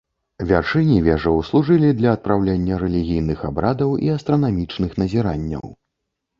Вяршыні вежаў служылі для адпраўлення рэлігійных абрадаў і астранамічных назіранняў.